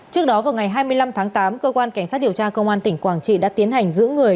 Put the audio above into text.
trước đó vào ngày hai mươi năm tháng tám cơ quan cảnh sát điều tra công an tỉnh quảng trị đã tiến hành giữ người